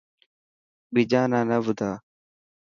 ٻيجا نا نه ٻڌا.